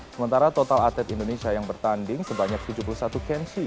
sementara total atlet indonesia yang bertanding sebanyak tujuh puluh satu kenshi